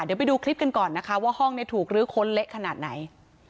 เดี๋ยวไปดูคลิปกันก่อนนะคะว่าห้องเนี่ยถูกลื้อค้นเละขนาดไหน